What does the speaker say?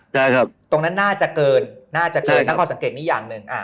ตรงนั้นน่าจะเกินน่าจะทั้งสังเกตนี้อย่างหนึ่ง